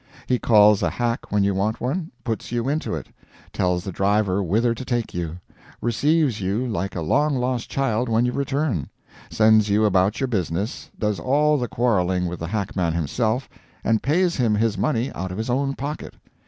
He calls a hack when you want one; puts you into it; tells the driver whither to take you; receives you like a long lost child when you return; sends you about your business, does all the quarreling with the hackman himself, and pays him his money out of his own pocket.